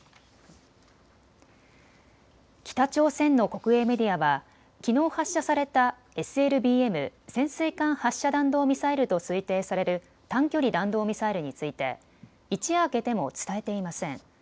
北朝鮮の国営メディアはきのう発射されたＳＬＢＭ・潜水艦発射弾道ミサイルと推定される短距離弾道ミサイルについて一夜明けても伝えていません。